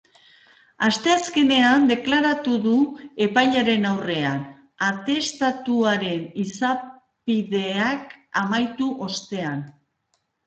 Asteazkenean deklaratuko du epailearen aurrean, atestatuaren izapideak amaitu ostean.